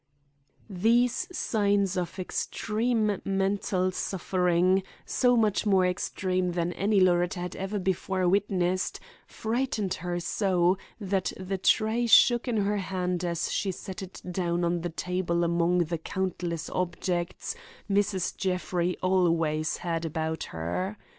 These signs of extreme mental suffering, so much more extreme than any Loretta had ever before witnessed, frightened her so that the tray shook in her hand as she set it down on the table among the countless objects Mrs. Jeffrey always had about her.